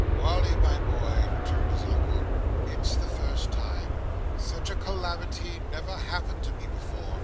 "Wally, my boy," returned his uncle. "It's the first time. Such a calamity never happened to me before.